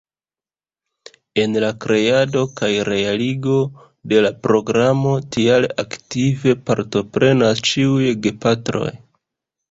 En la kreado kaj realigo de la programo tial aktive partoprenas ĉiuj gepatroj.